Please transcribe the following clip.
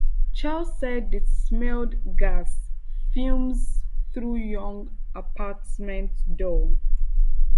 Chow said he smelled gas fumes through Yung's apartment door.